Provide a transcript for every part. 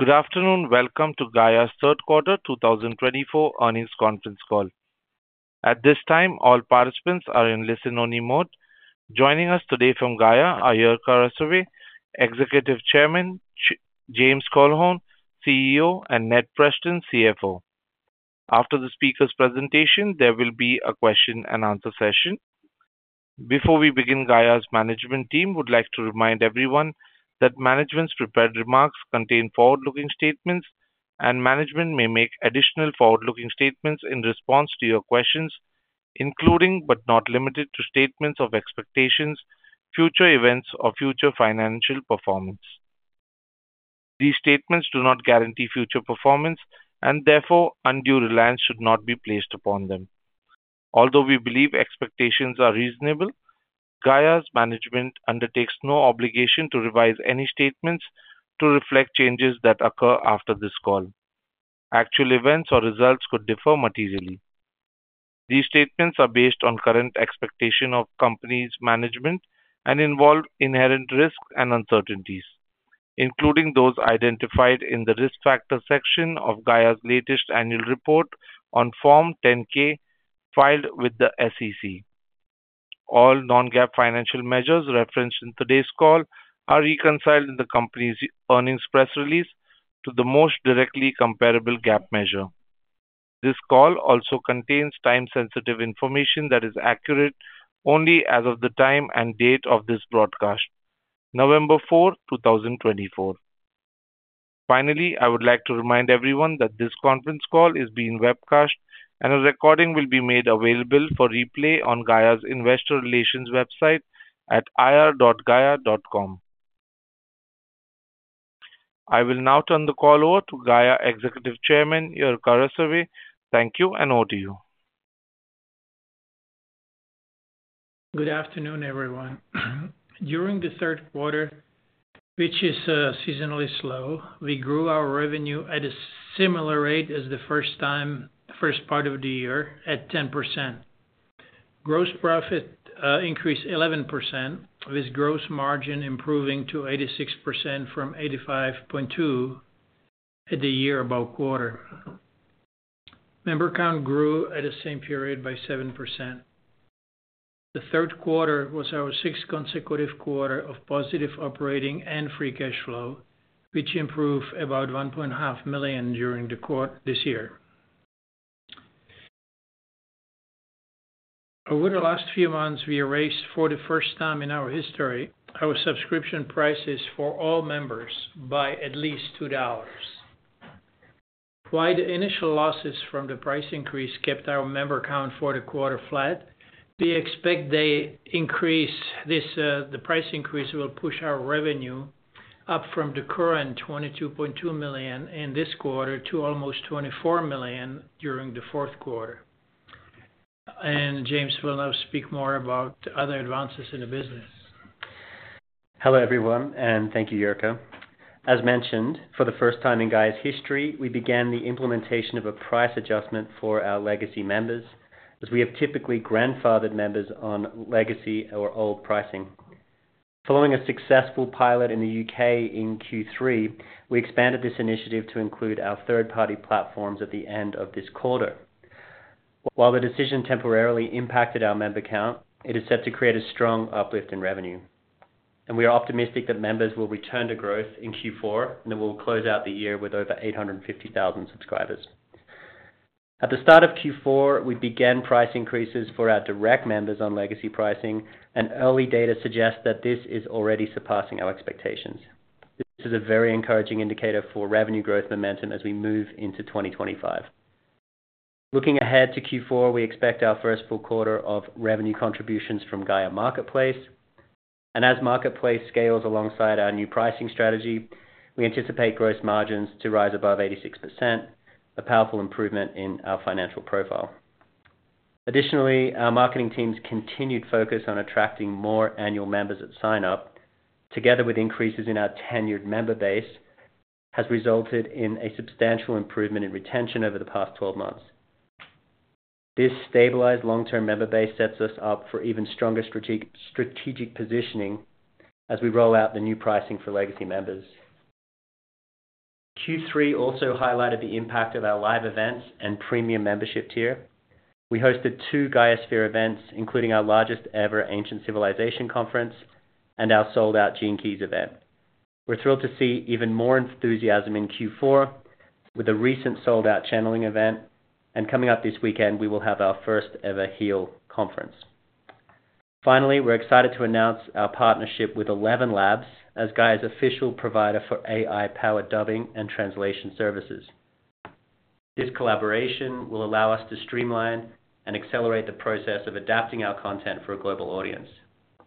Good afternoon. Welcome to Gaia's third quarter 2024 earnings conference call. At this time, all participants are in listen-only mode. Joining us today from Gaia are Jirka Rysavy, Executive Chairman James Colquhoun, CEO, and Ned Preston, CFO. After the speakers' presentations, there will be a question-and-answer session. Before we begin, Gaia's management team would like to remind everyone that management's prepared remarks contain forward-looking statements, and management may make additional forward-looking statements in response to your questions, including but not limited to statements of expectations, future events, or future financial performance. These statements do not guarantee future performance, and therefore, undue reliance should not be placed upon them. Although we believe expectations are reasonable, Gaia's management undertakes no obligation to revise any statements to reflect changes that occur after this call. Actual events or results could differ materially. These statements are based on current expectations of the company's management and involve inherent risks and uncertainties, including those identified in the risk factor section of Gaia's latest annual report on Form 10-K filed with the SEC. All non-GAAP financial measures referenced in today's call are reconciled in the company's earnings press release to the most directly comparable GAAP measure. This call also contains time-sensitive information that is accurate only as of the time and date of this broadcast, November 4, 2024. Finally, I would like to remind everyone that this conference call is being webcast, and a recording will be made available for replay on Gaia's investor relations website at ir.gaia.com. I will now turn the call over to Gaia Executive Chairman Jirka Rysavy. Thank you, and over to you. Good afternoon, everyone. During the third quarter, which is seasonally slow, we grew our revenue at a similar rate as the first part of the year, at 10%. Gross profit increased 11%, with gross margin improving to 86% from 85.2% at the year-ago quarter. Member count grew at the same period by 7%. The third quarter was our sixth consecutive quarter of positive operating and free cash flow, which improved about $1.5 million during the quarter this year. Over the last few months, we raised, for the first time in our history, our subscription prices for all members by at least $2. While the initial losses from the price increase kept our member count for the quarter flat, we expect the price increase will push our revenue up from the current $22.2 million in this quarter to almost $24 million during the fourth quarter. James will now speak more about other advances in the business. Hello, everyone, and thank you, Jirka. As mentioned, for the first time in Gaia's history, we began the implementation of a price adjustment for our legacy members, as we have typically grandfathered members on legacy or old pricing. Following a successful pilot in the U.K. in Q3, we expanded this initiative to include our third-party platforms at the end of this quarter. While the decision temporarily impacted our member count, it is set to create a strong uplift in revenue, and we are optimistic that members will return to growth in Q4, and we will close out the year with over 850,000 subscribers. At the start of Q4, we began price increases for our direct members on legacy pricing, and early data suggests that this is already surpassing our expectations. This is a very encouraging indicator for revenue growth momentum as we move into 2025. Looking ahead to Q4, we expect our first full quarter of revenue contributions from Gaia Marketplace, and as Marketplace scales alongside our new pricing strategy, we anticipate gross margins to rise above 86%, a powerful improvement in our financial profile. Additionally, our marketing team's continued focus on attracting more annual members at sign-up, together with increases in our tenured member base, has resulted in a substantial improvement in retention over the past 12 months. This stabilized long-term member base sets us up for even stronger strategic positioning as we roll out the new pricing for legacy members. Q3 also highlighted the impact of our live events and premium membership tier. We hosted two GaiaSphere events, including our largest ever Ancient Civilizations Conference and our sold-out Gene Keys event. We're thrilled to see even more enthusiasm in Q4 with the recent sold-out channeling event, and coming up this weekend, we will have our first-ever Heal Conference. Finally, we're excited to announce our partnership with ElevenLabs as Gaia's official provider for AI-powered dubbing and translation services. This collaboration will allow us to streamline and accelerate the process of adapting our content for a global audience.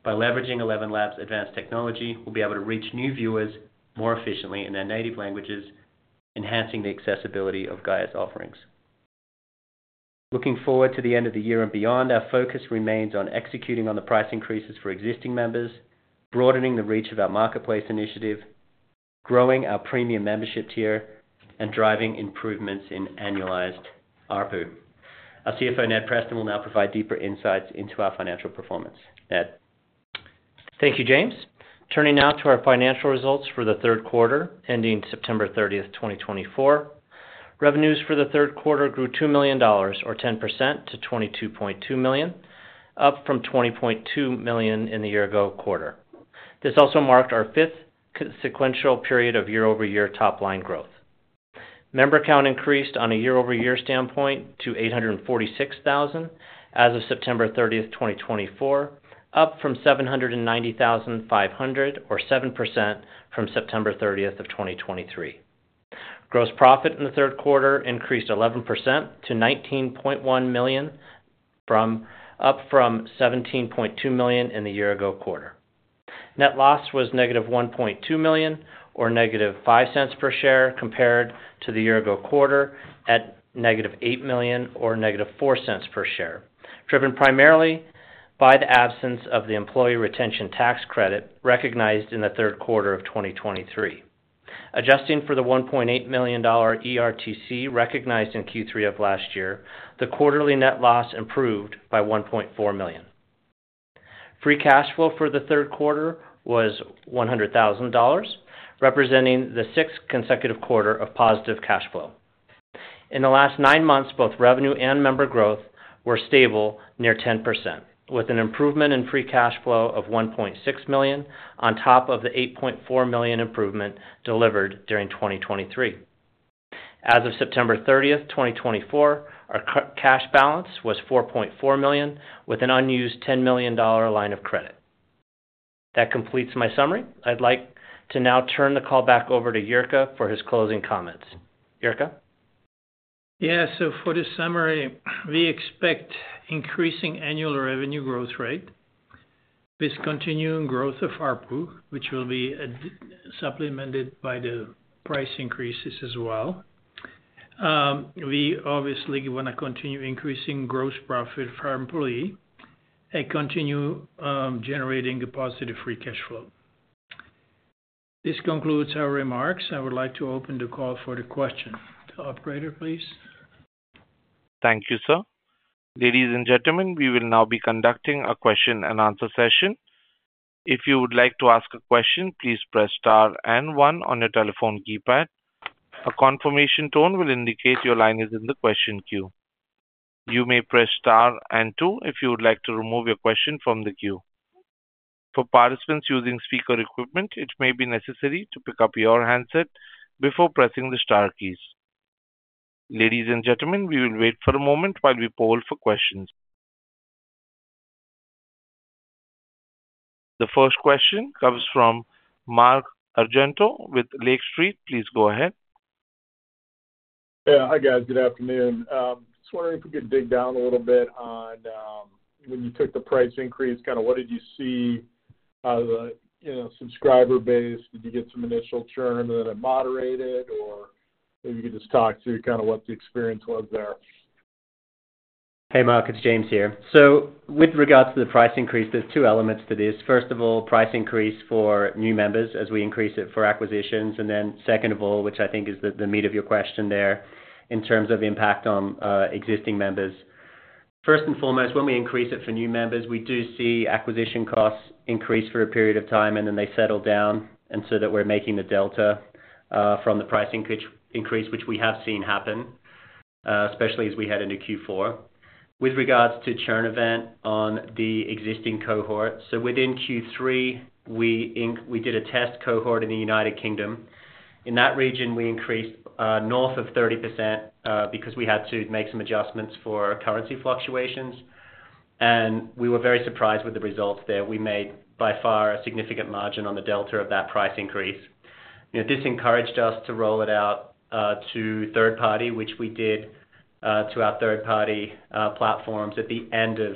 By leveraging ElevenLabs' advanced technology, we'll be able to reach new viewers more efficiently in their native languages, enhancing the accessibility of Gaia's offerings. Looking forward to the end of the year and beyond, our focus remains on executing on the price increases for existing members, broadening the reach of our Marketplace initiative, growing our premium membership tier, and driving improvements in annualized ARPU. Our CFO, Ned Preston, will now provide deeper insights into our financial performance. Ned. Thank you, James. Turning now to our financial results for the third quarter ending September 30th, 2024. Revenues for the third quarter grew $2 million, or 10%, to $22.2 million, up from $20.2 million in the year-ago quarter. This also marked our fifth sequential period of year-over-year top-line growth. Member count increased on a year-over-year standpoint to 846,000 as of September 30th, 2024, up from 790,500, or 7%, from September 30th, 2023. Gross profit in the third quarter increased 11% to $19.1 million, up from $17.2 million in the year-ago quarter. Net loss was negative $1.2 million, or -$0.05 per share, compared to the year-ago quarter at negative $8 million, or -$0.04 per share, driven primarily by the absence of the employee retention tax credit recognized in the third quarter of 2023. Adjusting for the $1.8 million ERTC recognized in Q3 of last year, the quarterly net loss improved by $1.4 million. Free cash flow for the third quarter was $100,000, representing the sixth consecutive quarter of positive cash flow. In the last nine months, both revenue and member growth were stable near 10%, with an improvement in free cash flow of $1.6 million on top of the $8.4 million improvement delivered during 2023. As of September 30, 2024, our cash balance was $4.4 million, with an unused $10 million line of credit. That completes my summary. I'd like to now turn the call back over to Jirka for his closing comments. Jirka? Yeah, so for the summary, we expect increasing annual revenue growth rate with continuing growth of ARPU, which will be supplemented by the price increases as well. We obviously want to continue increasing gross profit for our employee and continue generating a positive free cash flow. This concludes our remarks. I would like to open the call for the question. Operator, please. Thank you, sir. Ladies and gentlemen, we will now be conducting a question-and-answer session. If you would like to ask a question, please press star and one on your telephone keypad. A confirmation tone will indicate your line is in the question queue. You may press star and two if you would like to remove your question from the queue. For participants using speaker equipment, it may be necessary to pick up your handset before pressing the star keys. Ladies and gentlemen, we will wait for a moment while we poll for questions. The first question comes from Mark Argento with Lake Street. Please go ahead. Hi, guys. Good afternoon. Just wondering if we could dig down a little bit on when you took the price increase, kind of what did you see the subscriber base? Did you get some initial churn? And then it moderated? Or maybe you could just talk through kind of what the experience was there. Hey, Mark. It's James here, so with regards to the price increase, there's two elements to this. First of all, price increase for new members as we increase it for acquisitions, and then second of all, which I think is the meat of your question there in terms of impact on existing members. First and foremost, when we increase it for new members, we do see acquisition costs increase for a period of time, and then they settle down, and so that we're making the delta from the price increase, which we have seen happen, especially as we head into Q4. With regards to churn event on the existing cohort, so within Q3, we did a test cohort in the United Kingdom. In that region, we increased north of 30% because we had to make some adjustments for currency fluctuations, and we were very surprised with the results there. We made by far a significant margin on the delta of that price increase. This encouraged us to roll it out to third party, which we did to our third-party platforms at the end of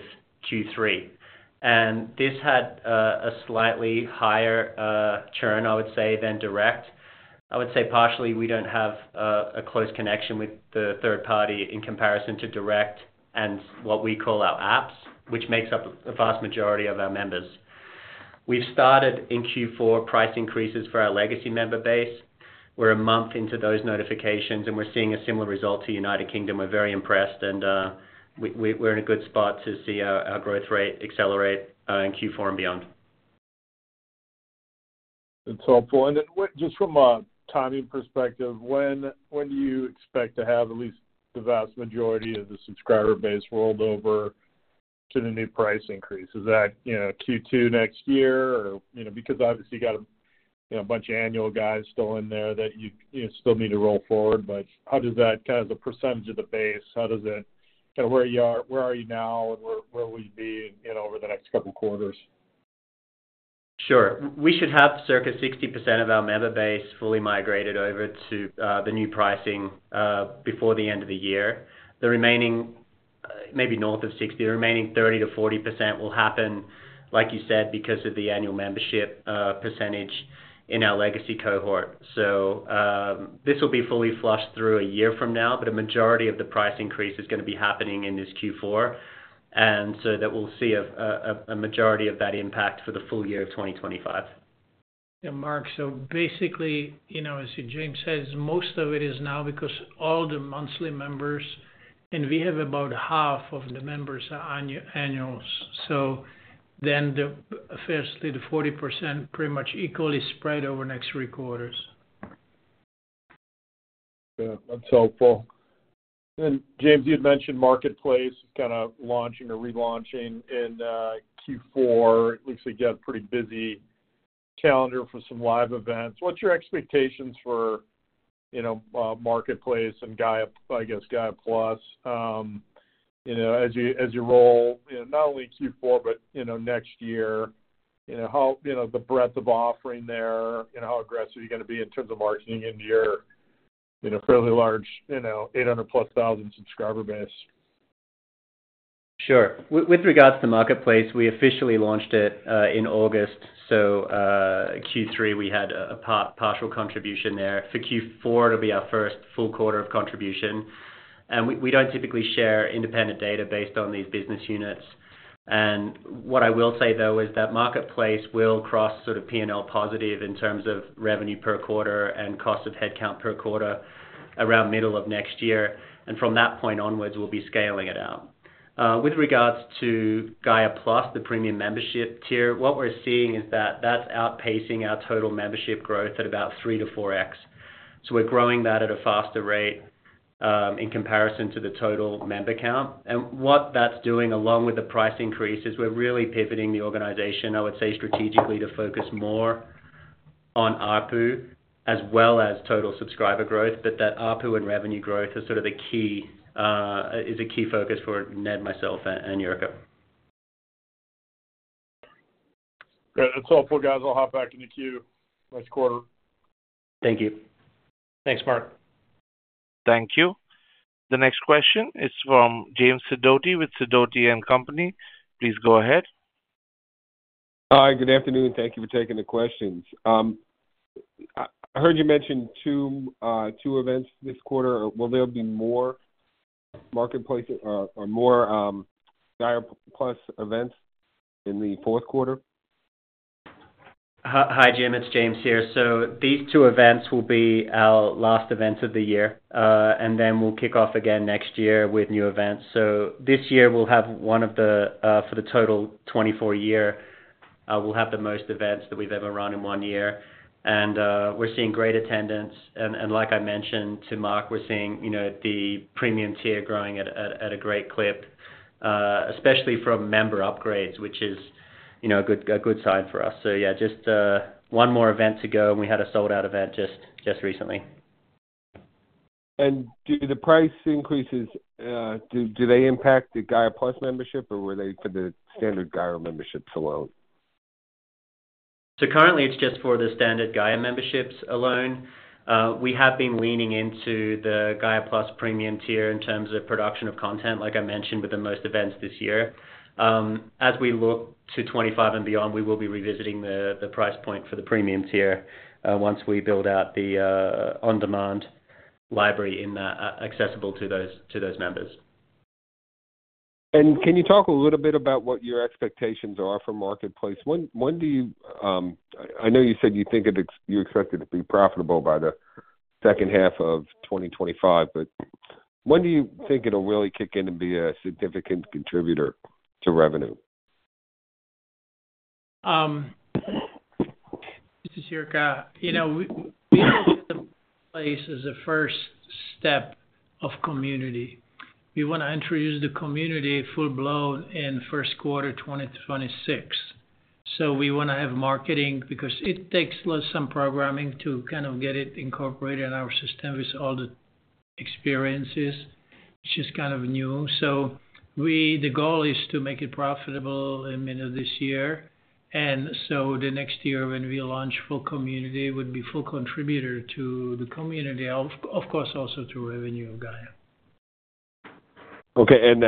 Q3. This had a slightly higher churn, I would say, than direct. I would say partially we don't have a close connection with the third party in comparison to direct and what we call our apps, which makes up the vast majority of our members. We've started in Q4 price increases for our legacy member base. We're a month into those notifications, and we're seeing a similar result to United Kingdom. We're very impressed, and we're in a good spot to see our growth rate accelerate in Q4 and beyond. That's helpful. And then, just from a timing perspective, when do you expect to have at least the vast majority of the subscriber base rolled over to the new price increase? Is that Q2 next year? Because obviously you've got a bunch of annual guys still in there that you still need to roll forward. But how does that kind of as a percentage of the base? How does it kind of where are you now and where will you be over the next couple of quarters? Sure. We should have circa 60% of our member base fully migrated over to the new pricing before the end of the year. The remaining maybe north of 60, the remaining 30%-40% will happen, like you said, because of the annual membership percentage in our legacy cohort. So this will be fully flushed through a year from now, but a majority of the price increase is going to be happening in this Q4. And so that we'll see a majority of that impact for the full year of 2025. Yeah, Mark. So basically, as James says, most of it is now because all the monthly members, and we have about half of the members are annuals. So then firstly, the 40% pretty much equally spread over next three quarters. That's helpful. And James, you had mentioned Marketplace is kind of launching or relaunching in Q4. It looks like you have a pretty busy calendar for some live events. What's your expectations for Marketplace and, I guess, Gaia+ as you roll not only Q4, but next year? How the breadth of offering there, how aggressive are you going to be in terms of marketing into your fairly large 800 thousand+ subscriber base? Sure. With regards to Marketplace, we officially launched it in August. So Q3, we had a partial contribution there. For Q4, it'll be our first full quarter of contribution. And we don't typically share independent data based on these business units. And what I will say, though, is that Marketplace will cross sort of P&L positive in terms of revenue per quarter and cost of headcount per quarter around middle of next year. And from that point onwards, we'll be scaling it out. With regards to Gaia+, the premium membership tier, what we're seeing is that that's outpacing our total membership growth at about 3x-4x. So we're growing that at a faster rate in comparison to the total member count. What that's doing along with the price increase is we're really pivoting the organization, I would say, strategically to focus more on ARPU as well as total subscriber growth. That ARPU and revenue growth is sort of the key focus for Ned, myself, and Jirka. That's helpful, guys. I'll hop back in the queue next quarter. Thank you. Thanks, Mark. Thank you. The next question is from James Sidoti with Sidoti & Company. Please go ahead. Hi, good afternoon. Thank you for taking the questions. I heard you mentioned two events this quarter. Will there be more Marketplace or more Gaia+ events in the fourth quarter? Hi, Jim. It's James here. So these two events will be our last events of the year. And then we'll kick off again next year with new events. So this year, we'll have the most events that we've ever run in one year. And we're seeing great attendance. And like I mentioned to Mark, we're seeing the premium tier growing at a great clip, especially from member upgrades, which is a good sign for us. So yeah, just one more event to go, and we had a sold-out event just recently. Do the price increases, do they impact the Gaia+ membership, or were they for the standard Gaia memberships alone? Currently, it's just for the standard Gaia memberships alone. We have been leaning into the Gaia+ premium tier in terms of production of content, like I mentioned, with the most events this year. As we look to 2025 and beyond, we will be revisiting the price point for the premium tier once we build out the on-demand library accessible to those members. And can you talk a little bit about what your expectations are for Marketplace? When do you, I know you said you think you expect it to be profitable by the second half of 2025, but when do you think it'll really kick in and be a significant contributor to revenue? This is Jirka. We look at the place as a first step of community. We want to introduce the community full-blown in first quarter 2026. So we want to have marketing because it takes some programming to kind of get it incorporated in our system with all the experiences. It's just kind of new. So the goal is to make it profitable in the middle of this year. And so the next year, when we launch full community, it would be a full contributor to the community, of course, also to revenue of Gaia. Okay. And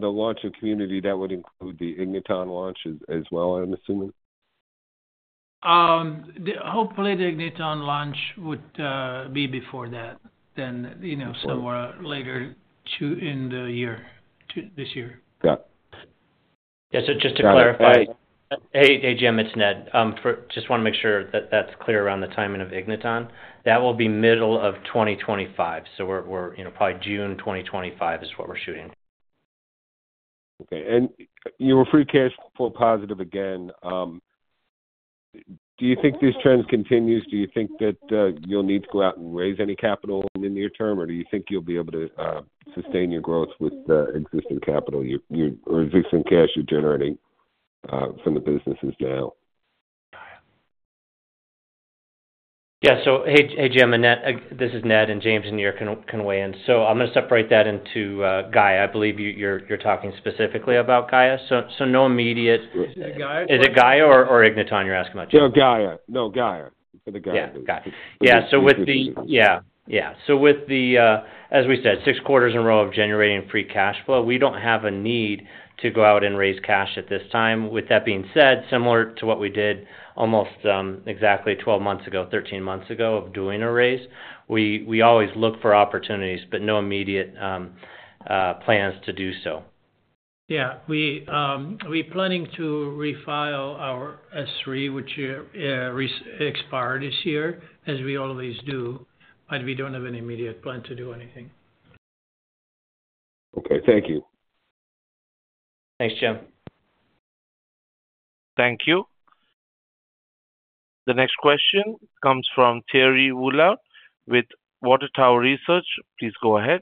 the launch of community, that would include the Igniton launch as well, I'm assuming? Hopefully, the Igniton launch would be before that, then somewhere later in the year this year. Yeah. So just to clarify. Hey, Jim, it's Ned. Just want to make sure that that's clear around the timing of Igniton. That will be middle of 2025. So probably June 2025 is what we're shooting. Okay, and your Free Cash Flow positive again. Do you think this trend continues? Do you think that you'll need to go out and raise any capital in the near term, or do you think you'll be able to sustain your growth with the existing capital or existing cash you're generating from the businesses now? Yeah. So, hey, Jim, and this is Ned and James in your conference. So, I'm going to separate that into Gaia. I believe you're talking specifically about Gaia. So, no immediate. Is it Gaia? Is it Gaia or Igniton you're asking about? No, Gaia. No, Gaia. For the Gaia business. Yeah. Got it. Yeah. So with the. The Igniton? Yeah. Yeah. So, with the, as we said, six quarters in a row of generating Free Cash Flow, we don't have a need to go out and raise cash at this time. With that being said, similar to what we did almost exactly 12 months ago, 13 months ago of doing a raise, we always look for opportunities, but no immediate plans to do so. Yeah. We're planning to refile our S-3, which expired this year, as we always do, but we don't have an immediate plan to do anything. Okay. Thank you. Thanks, Jim. Thank you. The next question comes from Thierry Wuilloud with Water Tower Research. Please go ahead.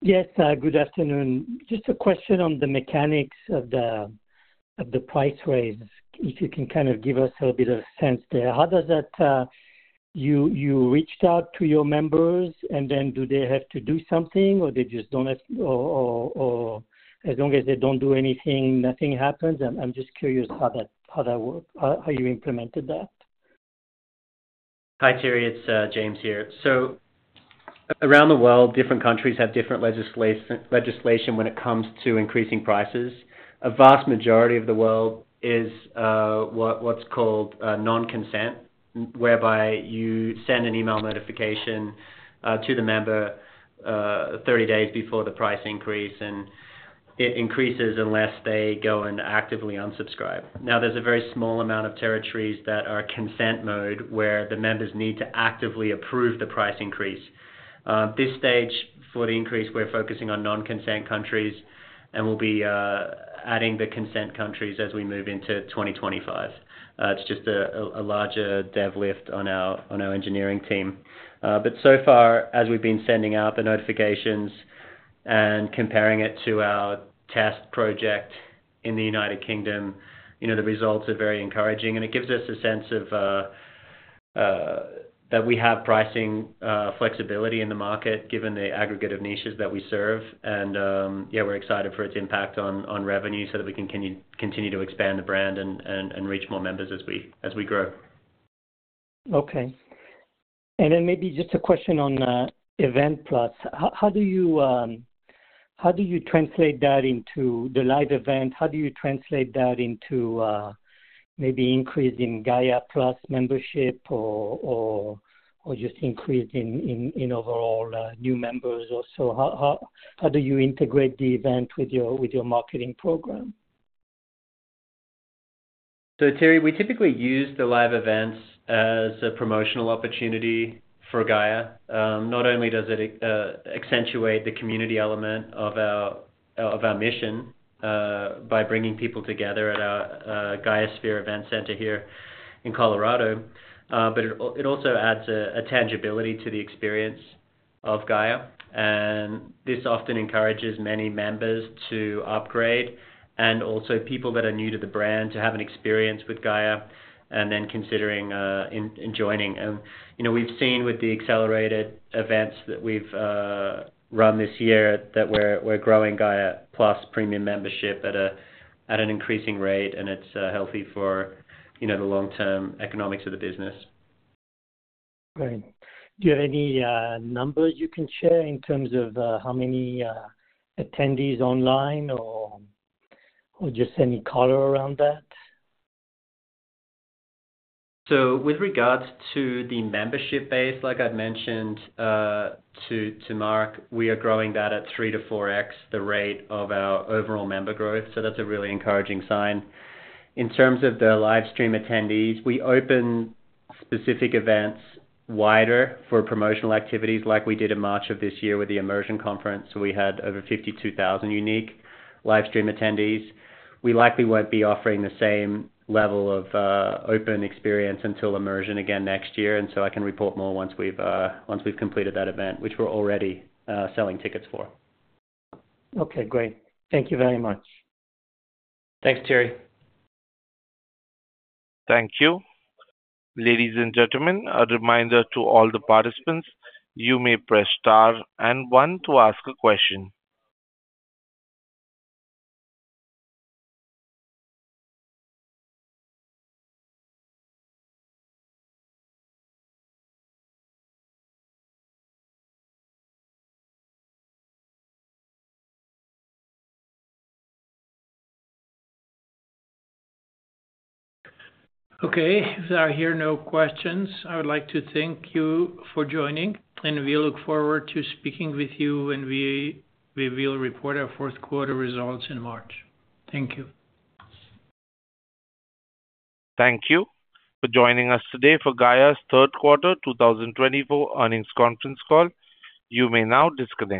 Yes. Good afternoon. Just a question on the mechanics of the price raise. If you can kind of give us a bit of a sense there. How does that you reached out to your members, and then do they have to do something, or they just don't have or as long as they don't do anything, nothing happens? I'm just curious how that how you implemented that. Hi, Thierry. It's James here, so around the world, different countries have different legislation when it comes to increasing prices. A vast majority of the world is what's called non-consent, whereby you send an email notification to the member 30 days before the price increase, and it increases unless they go and actively unsubscribe. Now, there's a very small amount of territories that are consent mode where the members need to actively approve the price increase. This stage for the increase, we're focusing on non-consent countries, and we'll be adding the consent countries as we move into 2025. It's just a larger dev lift on our engineering team, but so far, as we've been sending out the notifications and comparing it to our test project in the United Kingdom, the results are very encouraging. It gives us a sense of that we have pricing flexibility in the market given the aggregate of niches that we serve. Yeah, we're excited for its impact on revenue so that we can continue to expand the brand and reach more members as we grow. Okay. And then maybe just a question on Gaia+. How do you translate that into the live event? How do you translate that into maybe increasing Gaia+ membership or just increasing in overall new members also? How do you integrate the event with your marketing program? So Thierry, we typically use the live events as a promotional opportunity for Gaia. Not only does it accentuate the community element of our mission by bringing people together at our GaiaSphere Event Center here in Colorado, but it also adds a tangibility to the experience of Gaia. And this often encourages many members to upgrade and also people that are new to the brand to have an experience with Gaia and then considering joining. And we've seen with the accelerated events that we've run this year that we're growing Gaia+ premium membership at an increasing rate, and it's healthy for the long-term economics of the business. Great. Do you have any numbers you can share in terms of how many attendees online or just any color around that? With regards to the membership base, like I'd mentioned to Mark, we are growing that at 3x-4x the rate of our overall member growth. So that's a really encouraging sign. In terms of the livestream attendees, we open specific events wider for promotional activities like we did in March of this year with the Immersion Conference. We had over 52,000 unique livestream attendees. We likely won't be offering the same level of open experience until Immersion again next year. And so I can report more once we've completed that event, which we're already selling tickets for. Okay. Great. Thank you very much. Thanks, Thierry. Thank you. Ladies and gentlemen, a reminder to all the participants, you may press star and one to ask a question. Okay. There are here no questions. I would like to thank you for joining, and we look forward to speaking with you when we will report our fourth quarter results in March. Thank you. Thank you for joining us today for Gaia's third quarter 2024 earnings conference call. You may now disconnect.